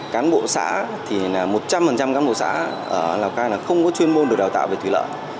cán bộ xã thì một trăm linh cán bộ xã ở lào cai là không có chuyên môn được đào tạo về thủy lợi